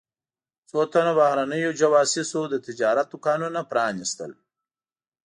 څو تنو بهرنیو جواسیسو د تجارت دوکانونه پرانیستل.